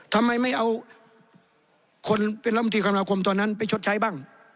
ทำไมไม่เอาคนเป็นรัฐมนตรีคมนาคมตอนนั้นไปชดใช้บ้าง